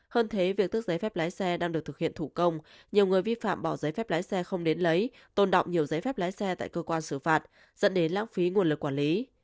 hơn thế việc tước giấy phép lái xe đang được thực hiện thủ công nhiều người vi phạm bỏ giấy phép lái xe không đến lấy tôn đọng nhiều giấy phép lái xe tại cơ quan xử phạt dẫn đến lãng phí nguồn lực quản lý